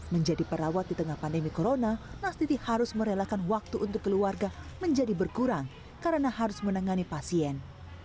menjadi perawat di tengah pandemi corona nastiti harus merelakan waktu untuk keluarga menjadi berkurang karena harus menangani pasien